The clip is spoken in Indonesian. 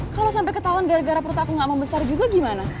kalau sampai ketahuan gara gara perut aku gak membesar juga gimana